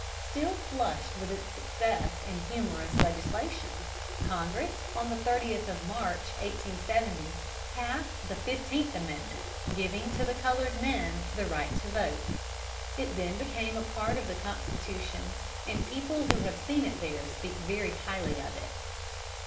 Still flushed with its success in humorous legislation, Congress, on the 30th of March, 1870, passed the Fifteenth Amendment, giving to the colored men the right to vote. It then became a part of the Constitution, and people who have seen it there speak very highly of it.